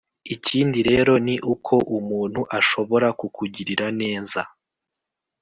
ikindi rero ni uko umuntu ashobora kukugirira neza